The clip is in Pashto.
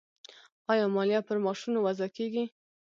آیا مالیه پر معاشونو وضع کیږي؟